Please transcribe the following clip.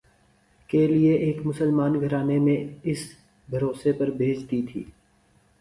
کے لئے ایک مسلمان گھرانے میں اِس بھروسے پر بھیج دی تھی